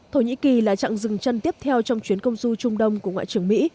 thổ nhĩ kỳ là trạng rừng chân tiếp theo trong chuyến công du trung đông của ngoại trưởng mỹ